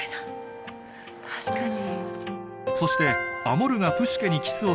確かに。